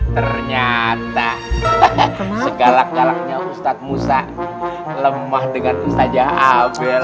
ternyata segalak galaknya ustaz musa lemah dengan ustazah abel